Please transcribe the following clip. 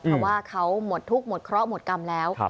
เพราะว่าเขาหมดทุกข์หมดเคราะห์หมดกรรมแล้ว